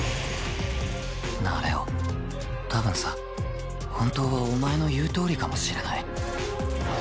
なあ玲王多分さ本当はお前の言うとおりかもしれない